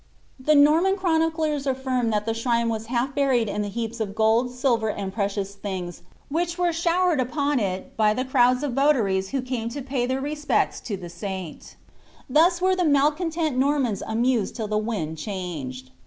The Nonnan chroniclers affirm th&t the shrine was half buried in the heaps of gold, silver, and precious things which were showered upon it by the crowds of votaries who came to pay their respects to the saint Thus were the malcontent Nor Bians amused till the wind changed.